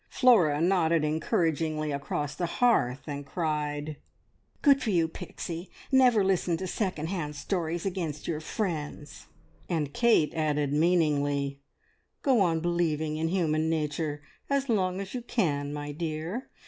Flora nodded encouragingly across the hearth and cried, "Good for you, Pixie! Never listen to second hand stories against your friends!" And Kate added meaningly, "Go on believing in human nature as long as you can, my dear.